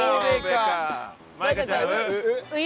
舞香ちゃん「ウ」「ウ」。